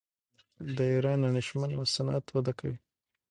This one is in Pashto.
د ایران انیمیشن صنعت وده کوي.